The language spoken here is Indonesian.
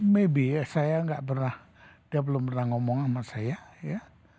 maybe ya saya gak pernah dia belum pernah ngomong sama saya ya